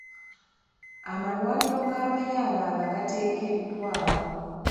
Amalwaliro g'abayi amalala gateekeddwawo.